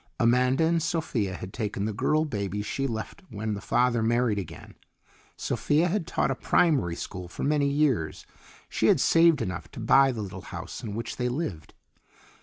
Amanda and Sophia had taken the girl baby she left when the father married again. Sophia had taught a primary school for many years; she had saved enough to buy the little house in which they lived.